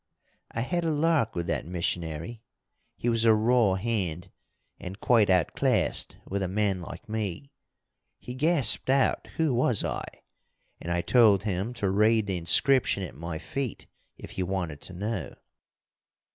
"I had a lark with that missionary. He was a raw hand, and quite outclassed with a man like me. He gasped out who was I, and I told him to read the inscription at my feet if he wanted to know.